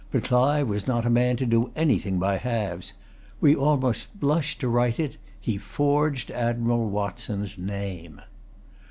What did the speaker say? But Clive was not a man to do anything by halves. We almost blush to write it. He forged Admiral Watson's name.